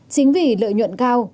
chính vì lợi nhuận cao